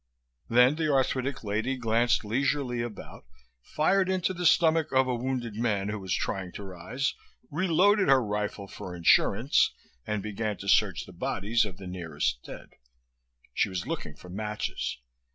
Then the arthritic lady glanced leisurely about, fired into the stomach of a wounded man who was trying to rise, reloaded her rifle for insurance and began to search the bodies of the nearest dead. She was looking for matches.